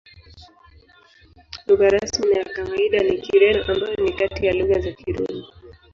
Lugha rasmi na ya kawaida ni Kireno, ambayo ni kati ya lugha za Kirumi.